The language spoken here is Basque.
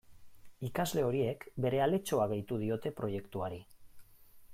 Ikasle horiek bere aletxoa gehitu diote proiektuari.